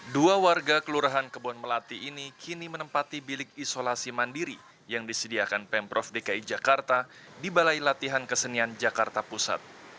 dua warga kelurahan kebon melati ini kini menempati bilik isolasi mandiri yang disediakan pemprov dki jakarta di balai latihan kesenian jakarta pusat